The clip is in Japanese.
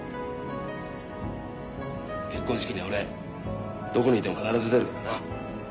結婚式には俺どこにいても必ず出るからな。